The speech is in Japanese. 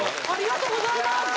ありがとうございます。